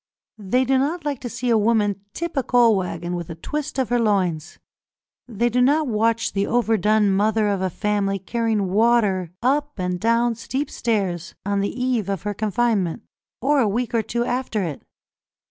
They do not like to see a woman tip a coal waggon with a twist of her loins; they do not watch the overdone mother of a family carrying water up and down steep stairs on the eve of her confinement or a week or two after it.